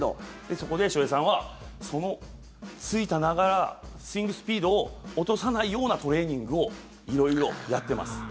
そこで翔平さんはそのついたながらスイングスピードを落とさないようなトレーニングを色々やってます。